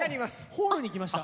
ホールに来ました。